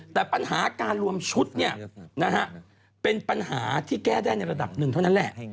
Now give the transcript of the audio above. แต่ปัญหาการรวมชุดเป็นปัญหาที่แก้ได้ในระดับหนึ่งเท่านั้นแหละ